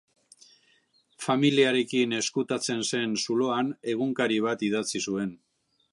Familiarekin ezkutatzen zen zuloan egunkari bat idatzi zuen.